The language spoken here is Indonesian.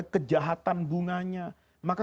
kejahatan bunganya maka